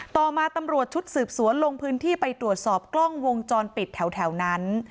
ต่อมาตำรวจชุดสืบสวนลงพื้นที่ไปตรวจสอบกล้องวงจรปิดแถวนั้น